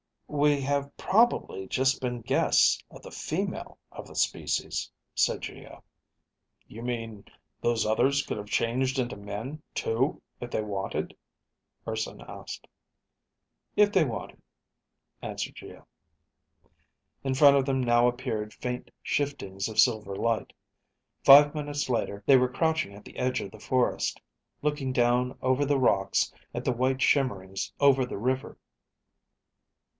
"We have probably just been guests of the female of the species," said Geo. "You mean those others could have changed into men too if they wanted?" Urson asked. "If they wanted," answered Geo. In front of them now appeared faint shiftings of silver light. Five minutes later, they were crouching at the edge of the forest, looking down over the rocks at the white shimmerings over the river.